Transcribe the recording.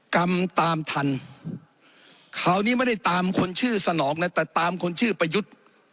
กรรมตามทันคราวนี้ไม่ได้ตามคนชื่อสนองนะแต่ตามคนชื่อประยุทธ์